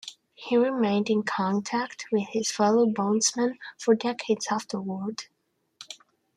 He remained in contact with his fellow Bonesmen for decades afterward.